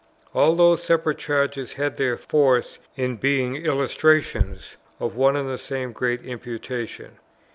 All those separate charges had their force in being illustrations of one and the same great imputation.